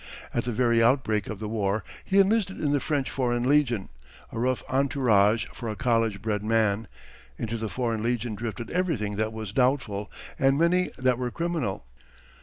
At the very outbreak of the war he enlisted in the French Foreign Legion a rough entourage for a college bred man. Into the Foreign Legion drifted everything that was doubtful, and many that were criminal.